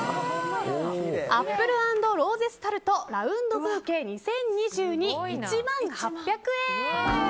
アップル＆ローゼスタルトラウンドブーケ２０２２１万８００円。